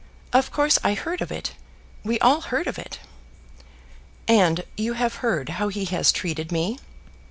Of course I heard of it. We all heard of it." "And you have heard how he has treated me?"